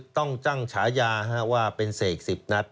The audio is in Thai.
ต้องจั่งชายาว่าเป็นเสกสิบนัส